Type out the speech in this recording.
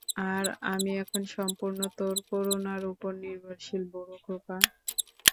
আর, আমি এখন সম্পূর্ণ তোর করুণার ওপর নির্ভরশীল, বুড়ো খোকা!